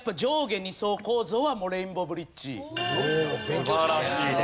素晴らしいです。